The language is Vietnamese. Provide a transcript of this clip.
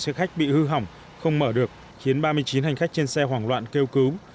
xe khách bị hư hỏng không mở được khiến ba mươi chín hành khách trên xe hoảng loạn kêu cứu